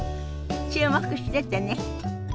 注目しててね。